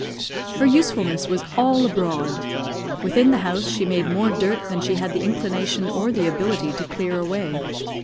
Her usefulness was all abroad. Within the house she made more dirt than she had the inclination or the ability to clear away.